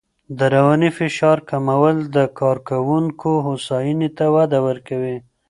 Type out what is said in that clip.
د رواني فشار کمول د کارکوونکو هوساینې ته وده ورکوي.